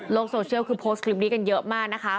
โซเชียลคือโพสต์คลิปนี้กันเยอะมากนะคะ